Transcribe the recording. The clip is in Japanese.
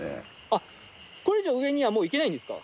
あっこれ以上上にはもう行けないんですか？